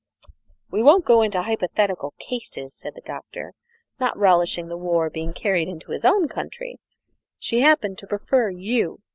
"We won't go into hypothetical cases," said the Doctor, not relishing the war being carried into his own country; "she happened to prefer you.